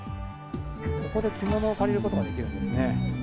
ここで着物を借りることができるんですね。